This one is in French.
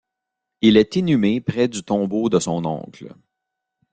Il est inhumé près du tombeau de son oncle.